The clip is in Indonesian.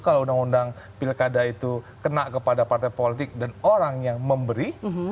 kalau undang undang pilkada itu kena kepada partai politik dan orang yang memberi